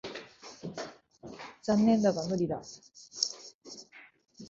残念だが無理だ。